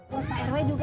buat pak rw juga